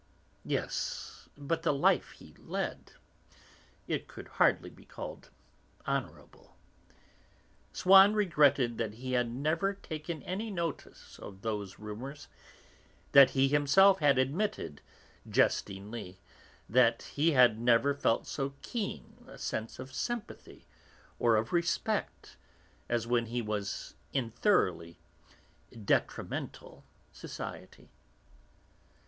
Yes, but the life he led; it could hardly be called honourable. Swann regretted that he had never taken any notice of those rumours, that he himself had admitted, jestingly, that he had never felt so keen a sense of sympathy, or of respect, as when he was in thoroughly 'detrimental' society.